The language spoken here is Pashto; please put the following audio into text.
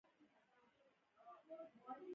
زه فکر کوم که موږ لاړ نه شو نو احمقان یو